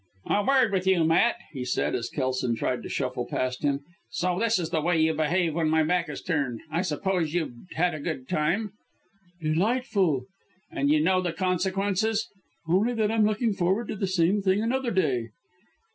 "A word with you, Matt," he said, as Kelson tried to shuffle past him. "So this is the way you behave when my back is turned. I suppose you've had a good time!" "Delightful!" "And you know the consequences!" "Only that I'm looking forward to the same thing another day."